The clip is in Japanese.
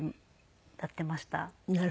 なるほどね。